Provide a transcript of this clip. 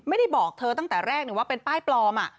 ไม่ได้บอกเธอตั้งแต่แรกว่าเป็นป้ายปลอม